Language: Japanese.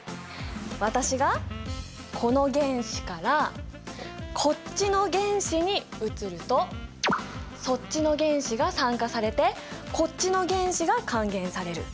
私がこの原子からこっちの原子に移るとそっちの原子が酸化されてこっちの原子が還元される。